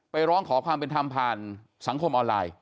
ร้องขอความเป็นธรรมผ่านสังคมออนไลน์